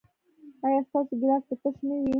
ایا ستاسو ګیلاس به تش نه وي؟